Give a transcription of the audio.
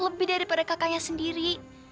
lebih daripada kakaknya sendiri